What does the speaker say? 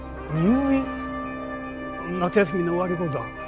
夏休みの終わり頃だ。